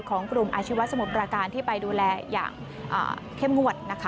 ของกลุ่มอาชีวะสมุทรประการที่ไปดูแลอย่างเข้มงวดนะคะ